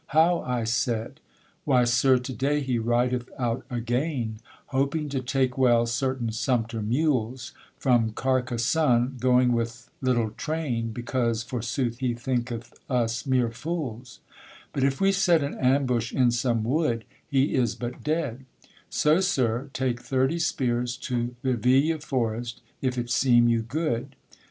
How? I said. Why, Sir, to day he rideth out again, Hoping to take well certain sumpter mules From Carcassonne, going with little train, Because, forsooth, he thinketh us mere fools; But if we set an ambush in some wood, He is but dead: so, Sir, take thirty spears To Verville forest, if it seem you good.